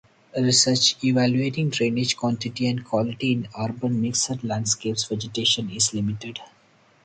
Research evaluating drainage quantity and quality in urban mixed landscapes vegetation is limited.